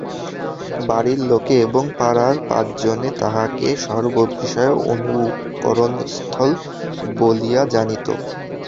বাড়ির লোকে এবং পাড়ার পাঁচজনে তাঁহাকে সর্ববিষয়ে অনুকরণস্থল বলিয়া জানিত।